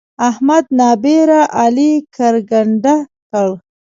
احمد ناببره علي کرکنډه کړ.